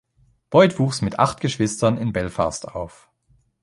Boyd wuchs mit acht Geschwistern in Belfast auf.